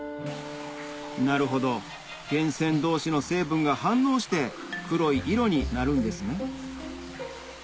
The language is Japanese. なるほど源泉同士の成分が反応して黒い色になるんですね